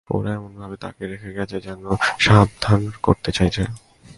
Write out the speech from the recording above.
ওরা এমনভাবে তাকে রেখে গেছে যেন সাবধান করতে চাইছে!